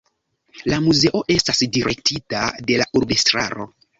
La muzeo estas direktita de la urbestraro.